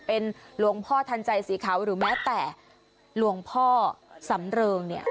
เป็นหลวงพ่อทันใจสีขาวหรือแม้แต่หลวงพ่อสำเริงเนี่ย